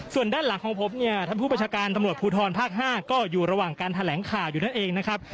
ส่วนด้านหลังของผมเนี่ยท่านผู้ประชาการตำรวจภูทรภาค๕ก็อยู่ระหว่างการแถลงข่าวอยู่นั่นเองนะครับ